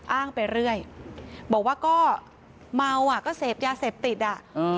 อ้างไปเรื่อยบอกว่าก็เมาอ่ะก็เสพยาเสพติดอ่ะ